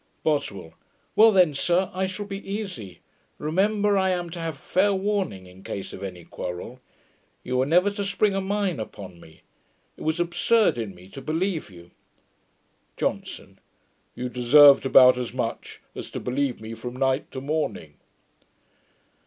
BOSWELL. 'Well then, sir, I shall be easy. Remember, I am to have fair warning in case of any quarrel. You are never to spring a mine upon me. It was absurd in me to believe you.' JOHNSON. 'You deserved about as much, as to believe me from night to morning.'